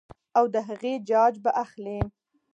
او د هغې جاج به اخلي -